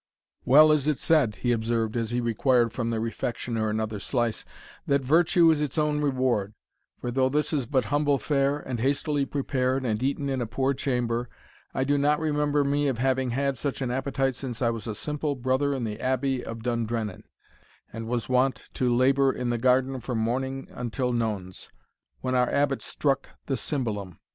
"Well is it said," he observed, as he required from the Refectioner another slice, "that virtue is its own reward; for though this is but humble fare, and hastily prepared, and eaten in a poor chamber, I do not remember me of having had such an appetite since I was a simple brother in the Abbey of Dundrennan, and was wont to labour in the garden from morning until nones, when our Abbot struck the Cymbalum.